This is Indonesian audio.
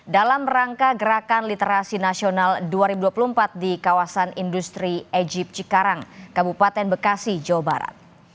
dalam rangka gerakan literasi nasional dua ribu dua puluh empat di kawasan industri ejip cikarang kabupaten bekasi jawa barat